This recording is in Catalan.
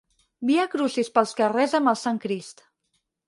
Viacrucis pels carrers amb el sant crist.